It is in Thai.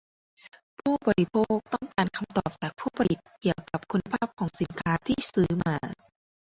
ผู้บริโภคต้องการคำตอบจากผู้ผลิตเกี่ยวกับคุณภาพของสินค้าที่ซื้อมา